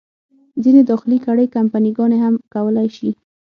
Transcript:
ځینې داخلي کړۍ، کمپني ګانې هم کولای شي.